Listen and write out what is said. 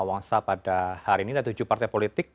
wangsa pada hari ini ada tujuh partai politik